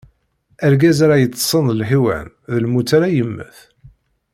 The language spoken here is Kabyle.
Argaz ara yeṭṭṣen d lḥiwan, d lmut ara yemmet.